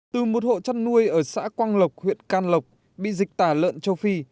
từ một hộ chăn nuôi ở xã quang lộc huyện can lộc bị dịch tả lợn châu phi